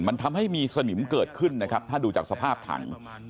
มันทำให้มีสนิมเกิดขึ้นนะครับถ้าดูจากสภาพถัง